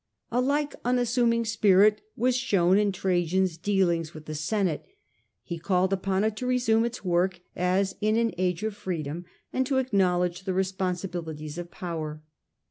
A like unassuming spirit was shown in Trajan's deal ings with the senate. He called upon it to resume its work as in an age of freedom, and to acknowledge 'j>ajan's the responsibilities of power.